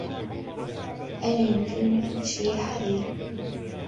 أين يمكنني أن أشتري الحرير؟